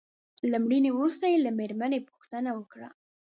له مړینې وروسته يې له مېرمنې پوښتنه وکړه.